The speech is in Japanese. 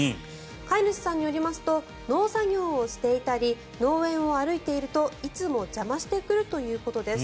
飼い主さんによりますと農作業をしていたり農園を歩いているといつも邪魔してくるということです。